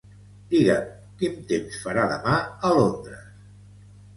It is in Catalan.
Digue'm quin temps farà demà a Londres.